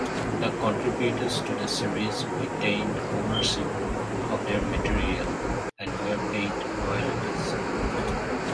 The contributors to the series retained ownership of their material and were paid royalties.